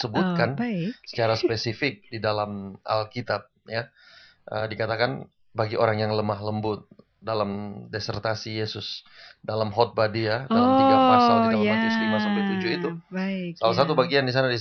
bunga itu dialah tuhan yesus yang kasih ke anak